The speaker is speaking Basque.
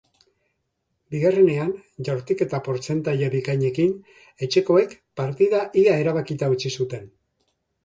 Bigarrenean, jaurtiketa portzentaia bikainekin, etxekoek partida ia erabakita utzi zuten.